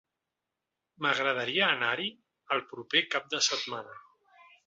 M'agradaria anar-hi el proper cap de setmana.